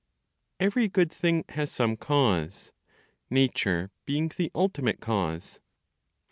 EVERY GOOD THING HAS SOME CAUSE; NATURE BEING THE ULTIMATE CAUSE.